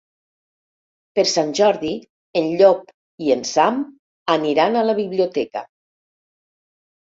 Per Sant Jordi en Llop i en Sam aniran a la biblioteca.